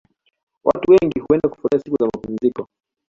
Watu wengi huenda kufurahia siku za mapumziko